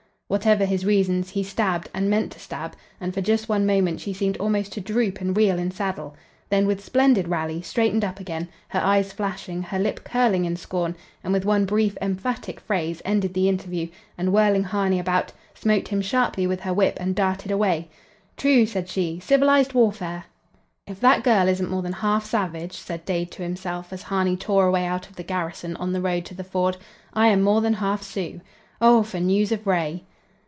Whatever his reasons, he stabbed and meant to stab, and for just one moment she seemed almost to droop and reel in saddle; then, with splendid rally, straightened up again, her eyes flashing, her lip curling in scorn, and with one brief, emphatic phrase ended the interview and, whirling Harney about, smote him sharply with her whip, and darted away: "True!" said she. "Civilized warfare!" "If that girl isn't more than half savage," said Dade, to himself, as Harney tore away out of the garrison on the road to the ford, "I am more than half Sioux. Oh, for news of Ray!"